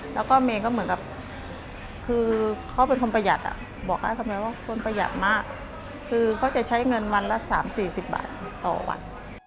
และคือเข้าเป็นคนประหยัดบอกมาคนประหยัดมากเข้าจะใช้เงินวันละ๓๔๐บาทต่อวัน